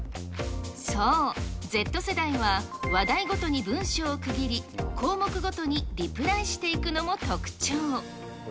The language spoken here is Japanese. そう、Ｚ世代は、話題ごとに文章を区切り、項目ごとにリプライしていくのも特徴。